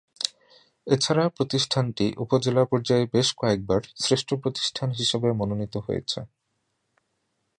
এছাড়া প্রতিষ্ঠানটি উপজেলা পর্যায়ে বেশ কয়েকবার শ্রেষ্ঠ প্রতিষ্ঠান হিসেবে মনোনীত হয়েছে।